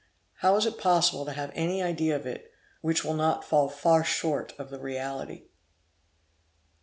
How is it possible to have any idea of it, which will not fall far short of the reality!